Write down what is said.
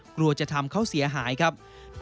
กลัวจะทำเขาเสียหายครับ